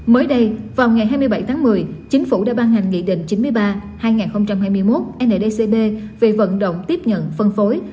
mới đây vào ngày hai mươi bảy tháng một mươi chính phủ đã ban hành nghị định chín mươi ba hai nghìn hai mươi một ndcb về vận động tiếp nhận phân phối